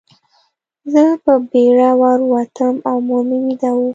زه په بېړه ور ووتم او مور مې ویده وه